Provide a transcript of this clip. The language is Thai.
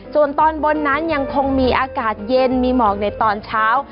ส่วนตอนบนนั้นยังคงมีอากาศเย็นมีหมอกในตอนเช้า